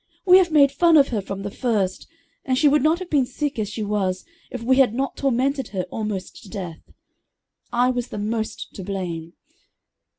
We have made fun of her from the first, and she would not have been sick as she was if we had not tormented her almost to death. I was the most to blame.